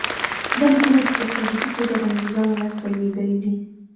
دا لیکونه په تصادفي توګه د انګرېزانو لاسته لوېدلي دي.